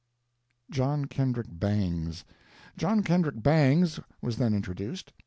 JOHN KENDRICK BANGS. John Kendrick Bangs was then introduced.